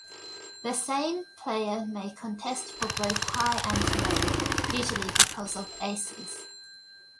The same player may contest for both high and low, usually because of aces.